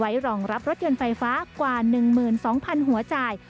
รองรับรถยนต์ไฟฟ้ากว่า๑๒๐๐๐หัวจ่าย